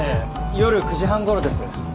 夜９時半頃です。